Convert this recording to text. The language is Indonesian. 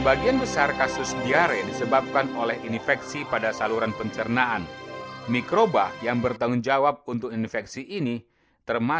saya ber fitur dan mengembangkan pelajaran yang sepenuhnya untuk umpamu